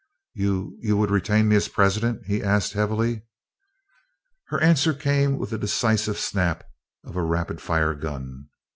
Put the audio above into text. "You you would retain me as president?" he asked, heavily. Her answer came with the decisive snap of a rapid fire gun.